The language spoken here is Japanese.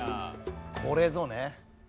これぞね。